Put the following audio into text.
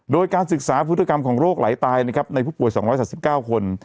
โดยการศึกษาพฤติกรรมของโรคไหลตายนะครับในผู้ป่วยสองร้อยสักสิบเก้าคน